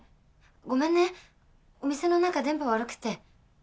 ごめんねお店の中電波悪くて。